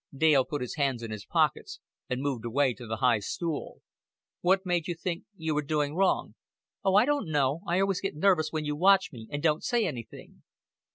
Dale put his hands in his pockets and moved away to the high stool. "What made you think you were doing wrong?" "Oh, I don't know. I always get nervous when you watch me and don't say anything."